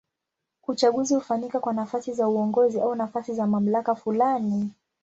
Uchaguzi hufanyika kwa nafasi za uongozi au nafasi za mamlaka fulani.